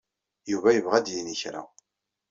Yuba yebɣa ad d-yini kra.